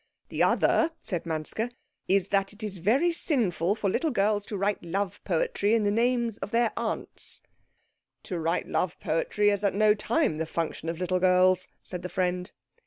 "The other," said Manske, "is, that it is very sinful for little girls to write love poetry in the name of their aunts." "To write love poetry is at no time the function of little girls," said the friend.